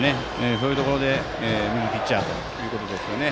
そういうところで右ピッチャーということですね。